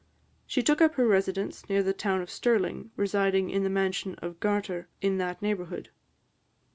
She took up her residence near the town of Stirling, residing in the mansion of Gartur, in that neighbourhood.